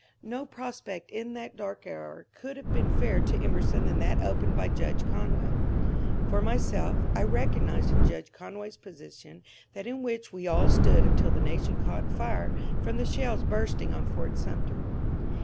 No prospect in that dark hour could have been fairer to Emerson than that opened by Judge Con way. For myself, I recognized in Judge Conway's position that in which we all stood until the nation caught fire from the shells bursting on Fort Sumter.